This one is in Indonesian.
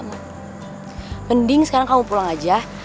mending sekarang kamu pulang aja